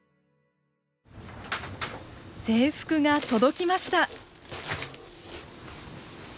制服が届きました。